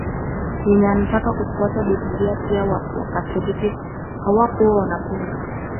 Yeye anataka kufuata Biblia pia na Wakatoliki hawakuwa wanapinga